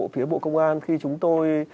phía bộ công an khi chúng tôi